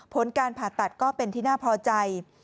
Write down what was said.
ผลการผ่าตัดก็เป็นที่น่าพอใจ